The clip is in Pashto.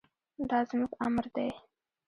دا زموږ امر دی.